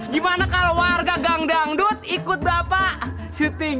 gimana kalau warga gang dangdut ikut bapak syuting